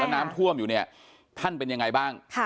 น้ำท่วมอยู่เนี่ยท่านเป็นยังไงบ้าง